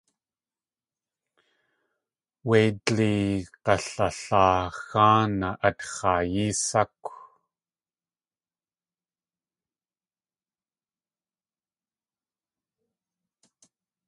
Wé dleey g̲alalaa xáanaa atx̲aayí sákw.